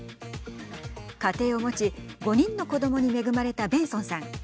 家庭を持ち５人の子どもに恵まれたベンソンさん。